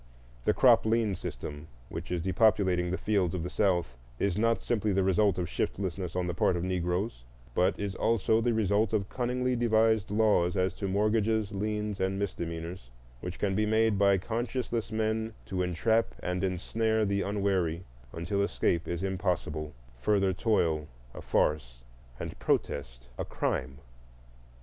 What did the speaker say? The crop lien system which is depopulating the fields of the South is not simply the result of shiftlessness on the part of Negroes, but is also the result of cunningly devised laws as to mortgages, liens, and misdemeanors, which can be made by conscienceless men to entrap and snare the unwary until escape is impossible, further toil a farce, and protest a crime.